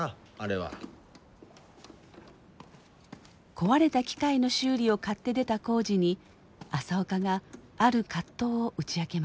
壊れた機械の修理を買って出た耕治に朝岡がある葛藤を打ち明けます。